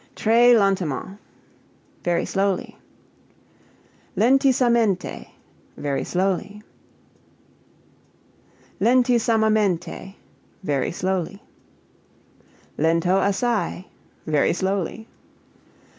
Très lentement very slowly. Lentissamente very slowly. Lentissamamente very slowly. Lento assai very slowly.